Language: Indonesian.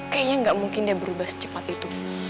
kayaknya nggak mungkin dia berubah secepat itu